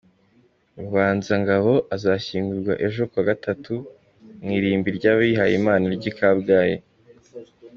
Rubanzangabo azashyingurwa ejo ku wa gatatu mu irimbi ry’abihayimana ry’i Kabgayi.